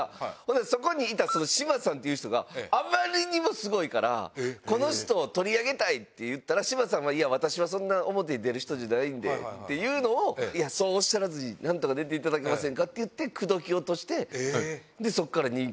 そこにいた志麻さんという人が、あまりにもすごいから、この人を取り上げたいって言ったら、志麻さんは、いや、私はそんな表に出る人じゃないんでっていうのをそうおっしゃらずに、なんとか出ていただけませんかって言って口説き落として、すごい。